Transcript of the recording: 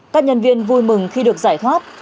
các nhân viên vui mừng khi được giải thoát